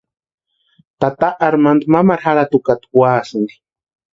Tata Armandu mamaru jarhati úkata úasïni.